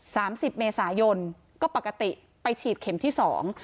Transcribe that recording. สามสิบเมษายนก็ปกติไปฉีดเข็มที่สอง